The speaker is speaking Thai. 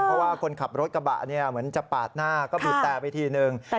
เพราะว่าคนขับรถกระบะเนี่ยเหมือนจะปาดหน้าก็บีบแต่ไปทีนึง